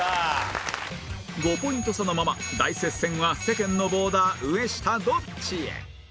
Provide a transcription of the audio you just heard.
５ポイント差のまま大接戦は世間のボーダー上下どっち？へ